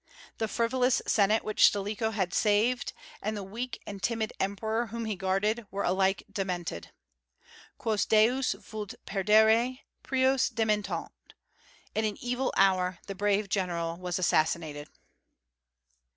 The frivolous senate which Stilicho had saved, and the weak and timid emperor whom he guarded, were alike demented. Quos Deus vult perdere, prius dementat. In an evil hour the brave general was assassinated.